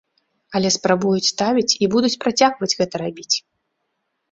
Але спрабуюць ставіць і будуць працягваць гэта рабіць.